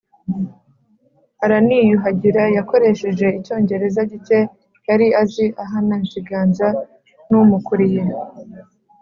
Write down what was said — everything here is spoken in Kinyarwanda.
araniyuhagira Yakoresheje Icyongereza gike yari azi ahana ikiganza n umukuriye